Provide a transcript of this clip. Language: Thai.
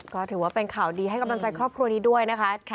ก็ถือว่าเป็นข่าวดีให้กำลังใจครอบครัวนี้ด้วยนะคะ